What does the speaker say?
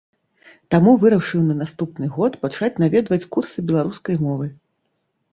Таму вырашыў на наступны год пачаць наведваць курсы беларускай мовы.